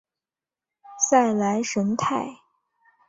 塞莱什泰。